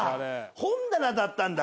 本棚だったんだ。